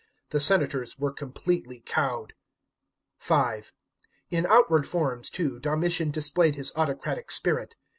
The senators were completely cuwed. (5) In outward forms too Domitian di>played his autocratic spirit.